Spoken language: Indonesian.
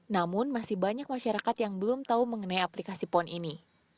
namun masih banyak masyarakat yang belum tahu mengenai aplikasi pon ini